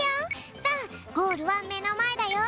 さあゴールはめのまえだよ。